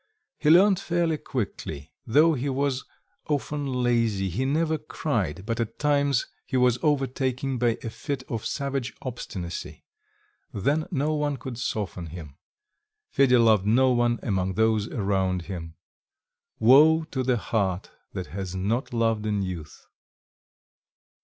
He learnt fairly quickly, though he was often lazy; he never cried, but at times he was overtaken by a fit of savage obstinacy; then no one could soften him. Fedya loved no one among those around him.... Woe to the heart that has not loved in youth!